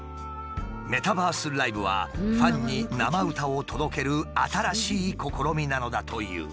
メタバースライブはファンに生歌を届ける新しい試みなのだという。